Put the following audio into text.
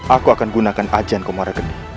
aku akan menggunakan ajian komoregedi